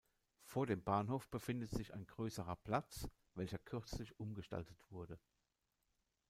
Vor dem Bahnhof befindet sich ein grösserer Platz, welcher kürzlich umgestaltet wurde.